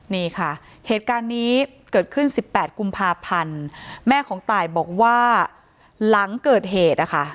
นี่ค่ะเหตุการณ์นี้เกิดขึ้น๑๘กุมภาพันธ์แม่ของตายบอกว่าหลังเกิดเหตุนะคะ